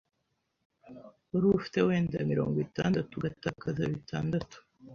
wari ufite wenda mirongo itandatu ugatakaza bitandatu